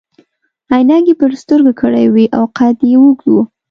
عینکې يې پر سترګو کړي وي او قد يې اوږد وو.